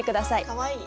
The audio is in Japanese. かわいい！